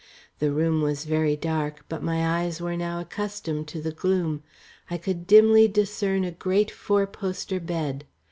The room was very dark, but my eyes were now accustomed to the gloom. I could dimly discern a great four poster bed.